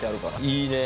いいね。